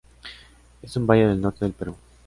Es un valle del norte del Perú.